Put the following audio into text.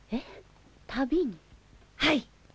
はい。